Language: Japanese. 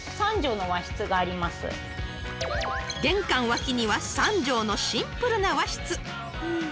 ［玄関脇には３畳のシンプルな和室］